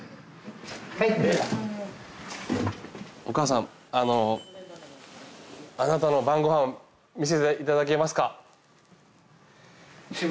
お母さんあのあなたの晩ご飯見せていただけますか？